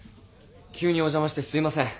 急にお邪魔してすいません。